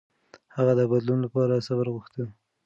هغه د بدلون لپاره صبر غوښت.